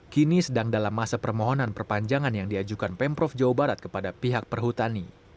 kini sedang dalam masa permohonan perpanjangan yang diajukan pemprov jawa barat kepada pihak perhutani